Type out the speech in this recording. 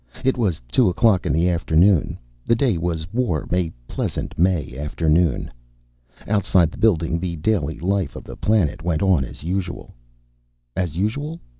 It was two o'clock in the afternoon. The day was warm, a pleasant May afternoon. Outside the building the daily life of the planet went on as usual. As usual?